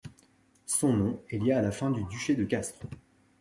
Son nom est lié à la fin du duché de Castro.